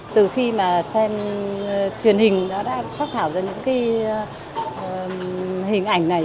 từ khi mà xem truyền hình đã phát thảo ra những cái hình ảnh này